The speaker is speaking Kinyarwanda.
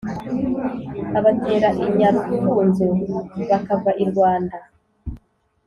abatera i nyarufunzo bakava i rwanda.